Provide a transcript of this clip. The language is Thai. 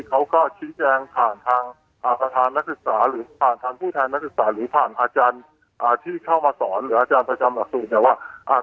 เขาก็ชี้แจงผ่านทางประชานอาหารหรือผ่านทางผู้ทางอาชรัยหรือผ่านอาจารย์ที่เข้ามาสอน๑๘๐๐แต่ว่า